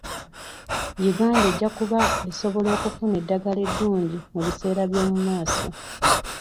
Uganda ejja kuba esobola okufuna eddagala eddungi mu biseera by'omumaaso.